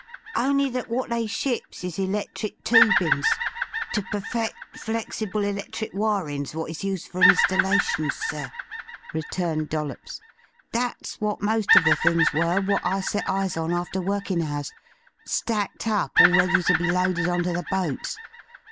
"Only that what they ships is electric tubin's ter perfect flexible electric wirin's wot is used for installations, sir," returned Dollops. "That's what most of the things were wot I set eyes on after workin' hours, stacked up all ready ter be loaded on ter the boats.